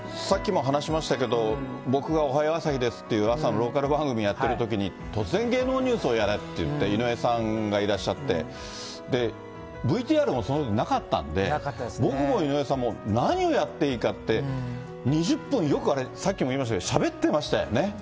さっきも話しましたけど、僕がおはよう朝日ですって朝のローカル番組やってるときに、突然芸能ニュースをやれっていって、井上さんがいらっしゃって、ＶＴＲもそのとき、なかったんで、僕も井上さんも何をやっていいかって、２０分、よくあれ、さっきも言いましたけど、しゃべってましたよね。